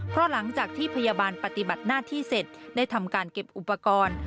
เพราะหลังจากที่พยาบาลปฏิบัติหน้าที่เสร็จได้ทำการเก็บอุปกรณ์